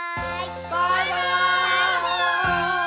「バイバーイ！」